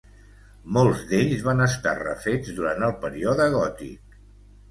Molts d'ells van estar refets durant el període gòtic.